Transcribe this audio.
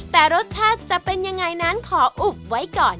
แต่รสชาติจะเป็นยังไงนั้นขออุบไว้ก่อน